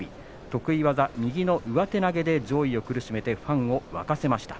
得意技、右の上手投げで上位を苦しめてファンを沸かせました。